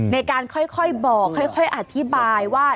ในการค่อยบอกค่อยอธิบายว่า